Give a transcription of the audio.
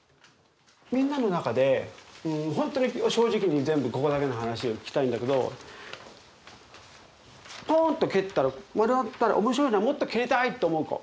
みんなの中で本当に正直に全部ここだけの話で聞きたいんだけどポンと蹴ったら丸まったら面白いなもっと蹴りたいって思う子。